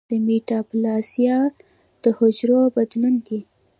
د میټاپلاسیا د حجرو بدلون دی.